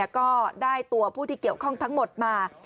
ก็ได้ตัวผู้ที่เกี่ยวข้องทั้งหมดมา